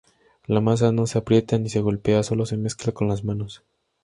La masa no se aprieta ni se golpea, solo se mezcla con las manos.